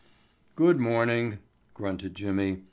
"Good morning," grunted Jimmy.